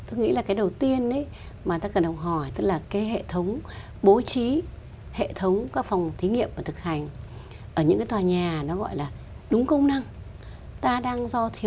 tôi nghĩ là cái đầu tiên mà ta cần học hỏi tức là cái hệ thống bố trí hệ thống các phòng thí nghiệm và thực hành ở những tòa nhà nó gọi là đúng công năng